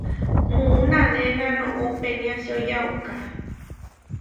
Muú nanéna noʼó peniásio yauká.